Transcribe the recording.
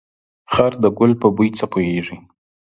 خر ده ګل په بوی څه پوهيږي.